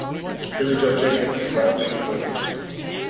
Billie-Jo Jenkins was brought up in East London.